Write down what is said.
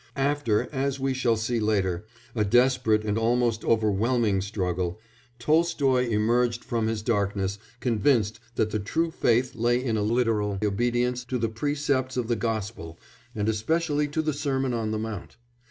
After, as we shall see later, a desperate and almost overwhelming struggle, Tolstoy emerged from his darkness convinced that the true faith lay in a literal obedience to the precepts of the Gospel and especially to the Sermon on the Mount.